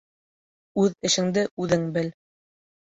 Үҙ эшеңде үҙең бел.